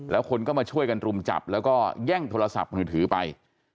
แล้วคนก็มาช่วยกันรุมจับแล้วก็แย่งโทรศัพท์มือถือไป